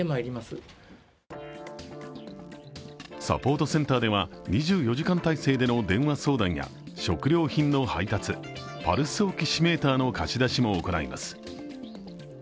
サポートセンターでは、２４時間態勢での電話相談や食料品の配達、パルスオキシメーターの貸し出しも行います。